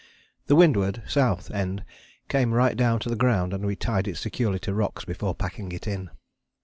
The windward (south) end came right down to the ground and we tied it securely to rocks before packing it in.